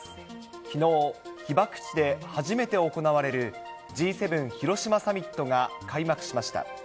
きのう、被爆地で初めて行われるＧ７広島サミットが開幕しました。